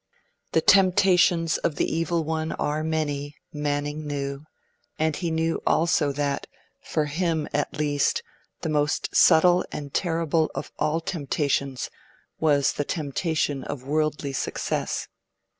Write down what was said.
The temptations of the Evil One are many, Manning knew; and he knew also that, for him at least, the most subtle and terrible of all temptations was the temptation of worldly success.